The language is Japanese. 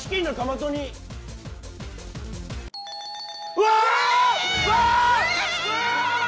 うわ！